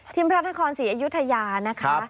ทีมพระราชนาคมศรีอยุธยานะคะ